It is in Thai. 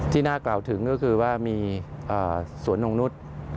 ที่น่ากล่าวถึงก็คือว่ามีสวนนงนุษย์